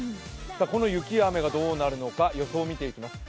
この雪、雨がどうなるのか、予想を見ていきます。